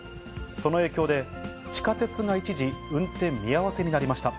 その影響で、地下鉄が一時、運転見合わせになりました。